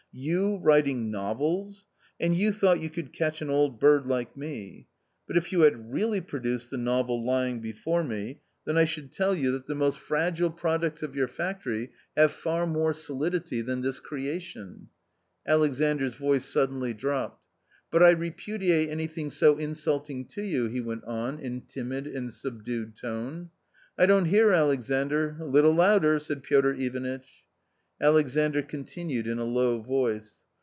You writing novels! And you thought you could catch an old bird like me? But if you had really produced the novel lying before me, then I should tell you that the 164 A COMMON STORY most fragile products of your factory have far more solidity than this creation." Alexandras voice suddenly dropped. " But I repudiate anything so insulting to you," he went on in timid and subdued tone. "I don't hear, Alexandr, a litde louder!" said Piotr Ivanitch. Alexandr continued in a low voice.